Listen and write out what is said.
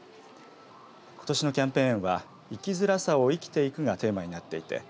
ことしのキャンペーンは生きづらさを生きていくがテーマになっていて